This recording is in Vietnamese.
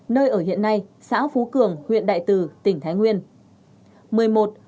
nơi ở hiện nay xã phú cường huyện đại từ tỉnh thái nguyên